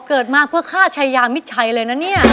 เกิดมาเพื่อฆ่าชายามิดชัยเลยนะเนี่ย